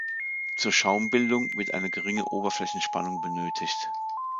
Zur Schaumbildung wird eine geringe Oberflächenspannung benötigt.